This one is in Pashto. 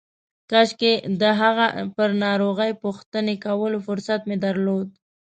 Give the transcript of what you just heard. کاشکې د هغه پر ناروغۍ پوښتنې کولو فرصت مې درلود.